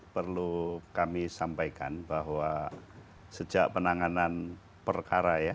perlu kami sampaikan bahwa sejak penanganan perkara ya